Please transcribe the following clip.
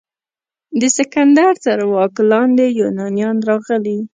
د سکندر تر واک لاندې یونانیان راغلي.